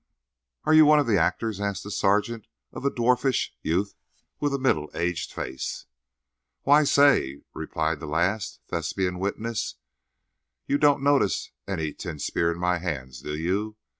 "Are you one of the actors?" asked the sergeant of a dwarfish youth with a middle aged face. "Why, say!" replied the last Thespian witness, "you don't notice any tin spear in my hands, do you?